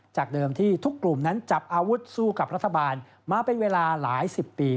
จากเดิมที่ทุกกลุ่มนั้นจับอาวุธสู้กับรัฐบาลมาเป็นเวลาหลายสิบปี